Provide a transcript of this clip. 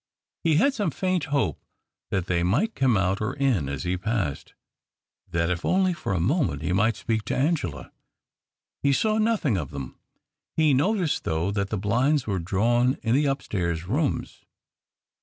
He had some faint hope that they might come out or in as he passed — that, if only for a moment, he might speak to Angela. He saw nothing of them. He noticed though that the blinds were drawn in the upstairs rooms.